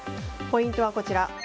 ポイントはこちら。